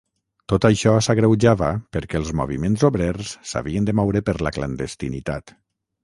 Tot això s'agreujava perquè els moviments obrers s'havien de moure per la clandestinitat.